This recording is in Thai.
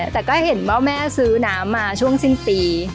แต่ก็เห็นว่าแม่ซื้อน้ำมาช่วงสิ้นปี